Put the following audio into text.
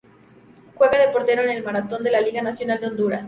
Juega de portero en el Marathón de la Liga Nacional de Honduras.